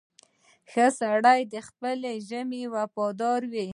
• ښه سړی د خپلې ژمنې وفادار وي.